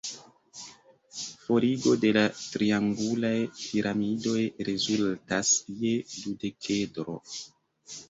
Forigo de la triangulaj piramidoj rezultas je dudekedro.